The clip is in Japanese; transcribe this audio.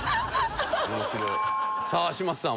さあ嶋佐さん